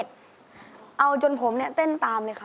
แค่อายแน่มากกกก็อ่อนแน่แหละ